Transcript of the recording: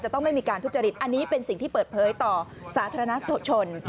ต้องไม่มีการทุจริตอันนี้เป็นสิ่งที่เปิดเผยต่อสาธารณสุขชน